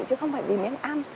chứ không phải vì miếng ăn